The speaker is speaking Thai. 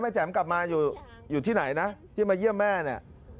แจ๋มกลับมาอยู่ที่ไหนนะที่มาเยี่ยมแม่เนี่ย